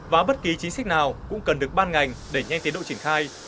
và bất kỳ chính sách nào cũng cần được ban ngành để nhanh tiến đội triển khai